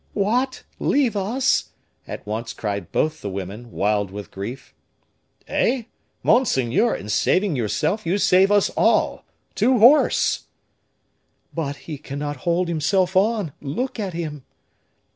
"What, leave us!" at once cried both the women, wild with grief. "Eh! monseigneur, in saving yourself, you save us all. To horse!" "But he cannot hold himself on. Look at him."